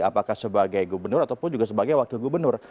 apakah sebagai gubernur ataupun juga sebagai wakil gubernur